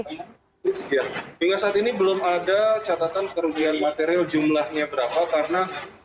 hingga saat ini belum ada catatan kerugian material jumlahnya berapa karena